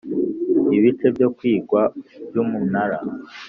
ibice byo kwigwa by Umunara